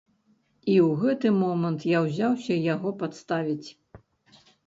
І ў гэты момант я ўзяўся яго падставіць.